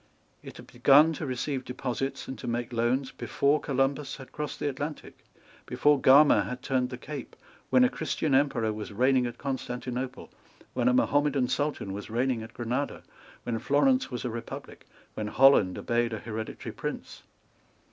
It had begun to receive deposits and to make loans before Columbus had crossed the Atlantic, before Gama had turned the Cape, when a Christian Emperor was reigning at Constantinople, when a Mahomedan Sultan was reigning at Granada, when Florence was a Republic, when Holland obeyed a hereditary Prince.